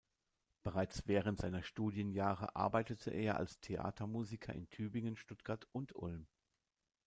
Bereits während seiner Studienjahre arbeitete er als Theatermusiker in Tübingen, Stuttgart und Ulm.